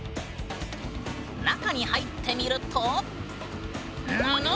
中に入ってみるとぬぬ！